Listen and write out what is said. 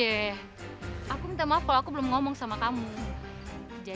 eh yang tidak percaya